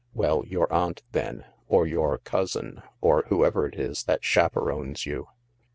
" Well, your aunt then, or your cousin, or whoever it is that chaperones you."